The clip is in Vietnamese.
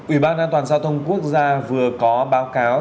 ủy ban an toàn giao thông quốc gia vừa có báo cáo